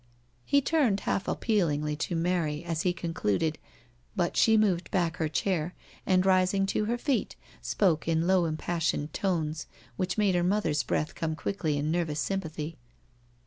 *^ He turned half appealingly to Mary as he concluded, but she moved back her chair^ and rising to her feet spoke in low impassioned tones, which made her mother's breath come quickly in nervous sympathy.